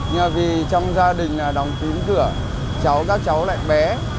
nhưng vì trong gia đình đóng tín cửa các cháu lại bé